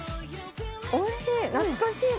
おいしい。